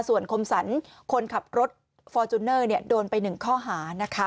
ส่วนคมสรรคนขับรถฟอร์จูเนอร์โดนไป๑ข้อหานะคะ